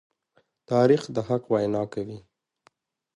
تاریخ د حق وینا کوي.